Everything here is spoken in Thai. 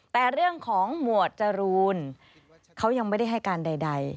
แต่เรื่องของหมวดจรูนเขายังไม่ได้ให้การใด